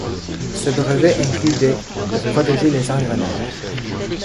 Ce brevet inclut des pour protéger les engrenages.